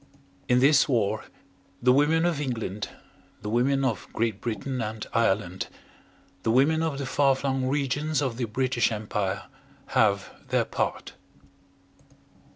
In this war the women of England the women of Great Britain and Ireland the women of the far flung regions of the British Empire, have their part.